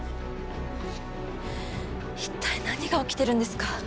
一体何が起きてるんですか？